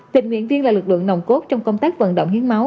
tình nguyện viên là lực lượng nồng cốt trong công tác vận động hiến máu